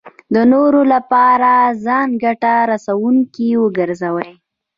د نورو لپاره ځان ګټه رسوونکی وګرځوي.